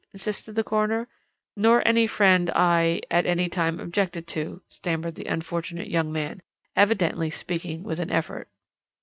insisted the coroner. "'Nor any friend, I at any time objected to,' stammered the unfortunate young man, evidently speaking with an effort.